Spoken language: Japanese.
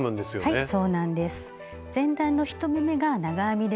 はい。